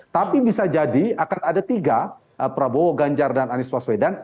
tapi bisa jadi akan ada tiga prabowo ganjar dan anies waswedan